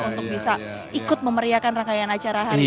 untuk bisa ikut memeriakan rangkaian acara hari ini